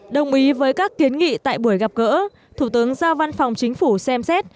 đồng ý với các kiến nghị tại buổi gặp gỡ thủ tướng giao văn phòng chính phủ xem xét